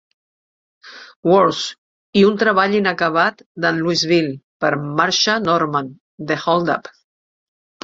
Wars", i un treball inacabat d"en Louisville per Marsha Norman, "The Holdup".